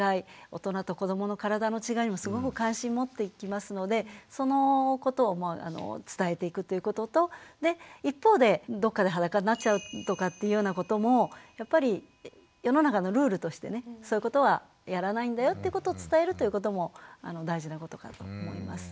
大人と子どもの体の違いにもすごく関心を持っていきますのでそのことを伝えていくということとで一方でどっかで裸になっちゃうとかっていうようなこともやっぱり世の中のルールとしてねそういうことはやらないんだよってことを伝えるということも大事なことかと思います。